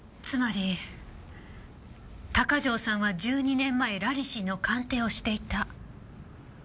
つまり鷹城さんは１２年前ラニシンの鑑定をしていた。